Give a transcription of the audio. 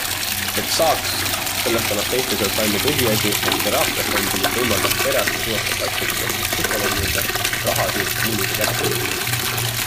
Et saaks, sellest annab teiste seas aimu tõsiasi, et teraapiafondi, mis võimaldab perearstil suunata patsienti tasuta psühholoogi juurde, raha ei suudetud mullu isegi ära kulutada.